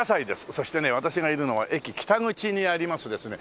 そしてね私がいるのは駅北口にありますですね